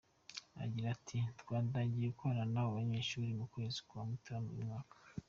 Agira ati “Twatangiye gukorana n’abo banyeshuri mu kwezi kwa Mutarama uyu mwaka.